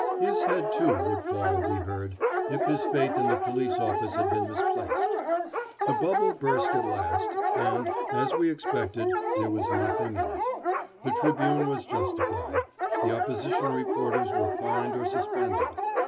His head, too, would fall, we heard, if his faith in the police office had been misplaced. The bubble burst at last, and, as we expected, there was nothing in it. The Tribune was justified. The opposition reporters were fined or suspended.